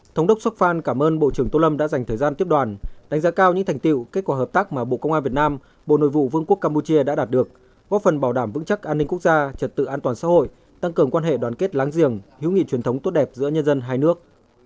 thống đốc sokhan cảm ơn bộ trưởng tô lâm đã dành thời gian tiếp đoàn đánh giá cao những thành tiệu kết quả hợp tác mà bộ công an việt nam bộ nội vụ vương quốc campuchia đã đạt được góp phần bảo đảm vững chắc an ninh quốc gia trật tự an toàn xã hội tăng cường quan hệ đoàn kết láng giềng hiếu nghị truyền thống tốt đẹp giữa nhân dân hai nước